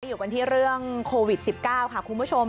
อยู่กันที่เรื่องโควิด๑๙ค่ะคุณผู้ชม